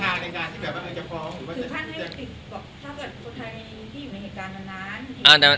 ถ้าเกิดว่าเขาจะฟ้อง